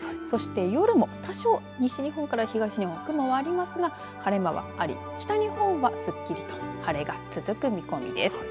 そして夜も多少、西日本から東日本雲はありますが、晴れ間はあり北日本はすっきりと晴れが続く見込みです。